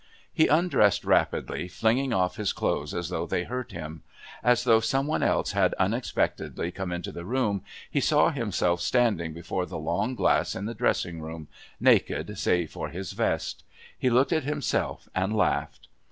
He undressed rapidly, flinging off his clothes as though they hurt him. As though some one else had unexpectedly come into the room, he saw himself standing before the long glass in the dressing room, naked save for his vest. He looked at himself and laughed.